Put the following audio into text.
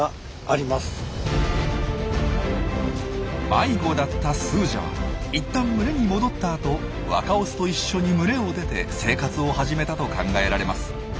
迷子だったスージャはいったん群れに戻ったあと若オスと一緒に群れを出て生活を始めたと考えられます。